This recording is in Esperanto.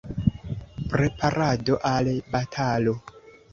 Preparado al batalo.